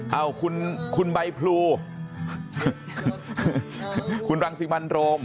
เอ้าคุณคุณใบพลูคุณรังสิมันโรม